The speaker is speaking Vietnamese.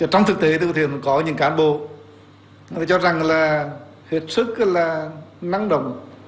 trong thực tế tôi có những cán bộ cho rằng là thiệt sức là năng động